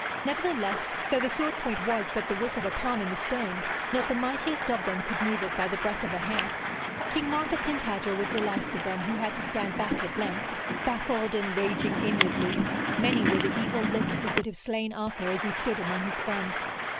Nevertheless, though the sword point was but the width of a palm in the stone, not the mightiest of them could move it by the breadth of a hair. King Mark of Tintagel was the last of them who had to stand back at length, baffled and raging inwardly. Many were the evil looks that would have slain Arthur as he stood among his friends.